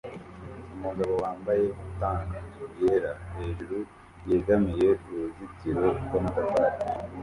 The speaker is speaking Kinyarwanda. Umugabo wambaye tank yera hejuru yegamiye uruzitiro rwamatafari